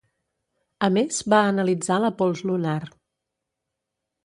A més va analitzar la pols lunar.